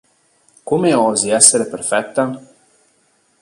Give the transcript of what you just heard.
Come osi essere perfetta?